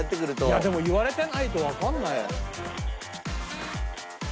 いやでも言われてないとわからないよ。